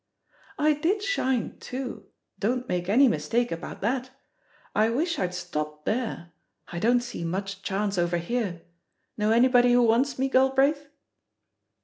"I did shine, too, don't make any mistake about thatl I wish I'd stopped there — I don't see mucli chance over here. Know anybody who wants me, Galbraith?"